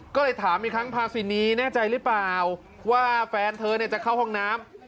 ก็เลยถามอีกครั้งพาซินีแน่ใจหรือเปล่าว่าแฟนเธอจะเข้าห้องน้ำ